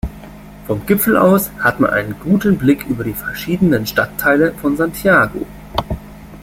Vom Gipfel aus hat man einen guten Blick über die verschiedenen Stadtteile von Santiago.